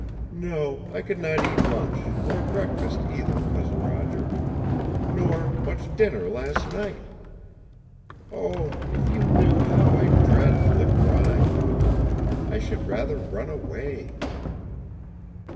"No; I could not eat lunch, or breakfast either, Cousin Roger. Nor much dinner last night! Oh, if you knew how I dread the grind! I should rather run away."